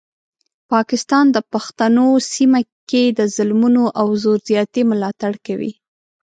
پاکستان د پښتنو سیمه کې د ظلمونو او زور زیاتي ملاتړ کوي.